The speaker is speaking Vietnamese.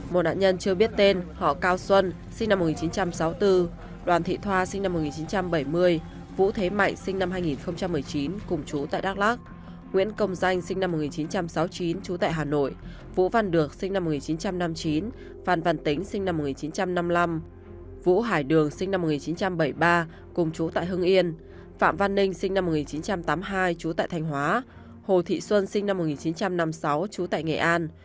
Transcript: một nạn nhân chưa biết tên họ cao xuân sinh năm một nghìn chín trăm sáu mươi bốn đoàn thị thoa sinh năm một nghìn chín trăm bảy mươi vũ thế mạnh sinh năm hai nghìn một mươi chín cùng chú tại đắk lắc nguyễn công danh sinh năm một nghìn chín trăm sáu mươi chín chú tại hà nội vũ văn được sinh năm một nghìn chín trăm năm mươi chín văn văn tính sinh năm một nghìn chín trăm năm mươi năm vũ hải đường sinh năm một nghìn chín trăm bảy mươi ba cùng chú tại hưng yên phạm văn ninh sinh năm một nghìn chín trăm tám mươi hai chú tại thành hóa hồ thị xuân sinh năm một nghìn chín trăm năm mươi sáu chú tại nghệ an